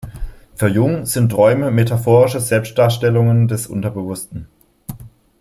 Für Jung sind Träume metaphorische Selbstdarstellungen des Unbewussten.